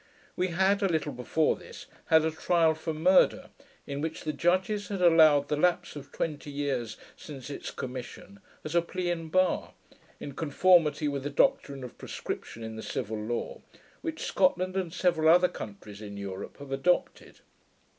We had, a little before this, had a trial for murder, in which the judges had allowed the lapse of twenty years since its commission as a plea in bar, in conformity with the doctrine of prescription in the civil law, which Scotland and several other countries in Europe have adopted.